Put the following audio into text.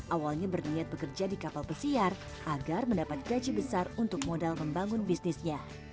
awalnya berniat bekerja di kapal pesiar agar mendapat gaji besar untuk modal membangun bisnisnya